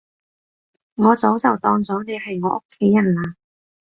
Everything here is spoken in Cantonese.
我早就當咗你係我屋企人喇